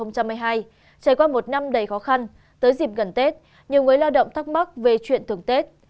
trải qua một năm đầy khó khăn tới dịp gần tết nhiều người lao động thắc mắc về chuyện thường tết